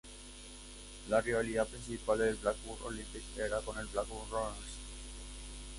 La rivalidad principal del Blackburn Olympic era con el Blackburn Rovers.